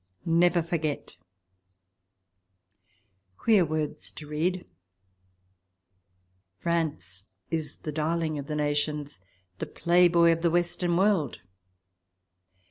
Never forget !" Queer words to read ! France is the darling of the nations — the Playboy of the Western world